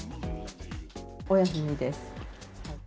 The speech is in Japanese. お休みです。